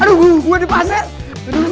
aduh gue di pasir